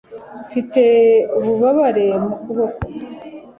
mfite ububabare mu kuboko